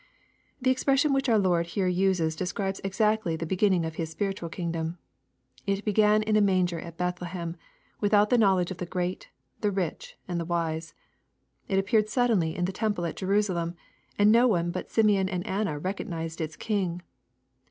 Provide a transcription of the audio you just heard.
The expression which our Lord here uses describes exactly the beginning of His spiritual kingdom. It began in a manger at Bethlehem, without the knowl edge of the great, the rich, and the wise. It appeared suddenly in the temple at Jerusalem, and no one but Simeon and Anna recognized its King.